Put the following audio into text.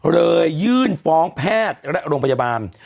เลยยื่นฟ้องแพทย์และโรงพยาบาล